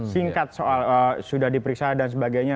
singkat soal sudah diperiksa dan sebagainya